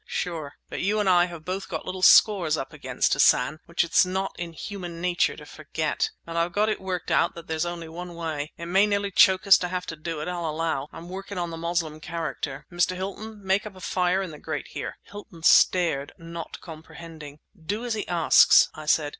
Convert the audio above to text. "Sure! But you and I have both got little scores up against Hassan, which it's not in human nature to forget. But I've got it worked out that there's only one way. It may nearly choke us to have to do it, I'll allow. I'm working on the Moslem character. Mr. Hilton, make up a fire in the grate here!" Hilton stared, not comprehending. "Do as he asks," I said.